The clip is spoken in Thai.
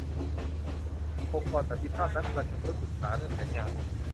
องค์กรสันติภาพนัดประชุมเพื่อปรึกษาเรื่องแผนงาน